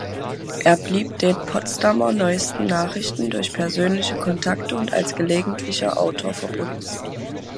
Er blieb den "Potsdamer Neuesten Nachrichten" durch persönliche Kontakte und als gelegentlicher Autor verbunden.